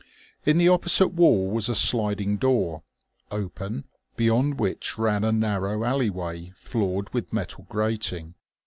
In the opposite wall was a sliding door, open, beyond which ran a narrow alleyway floored with metal grating.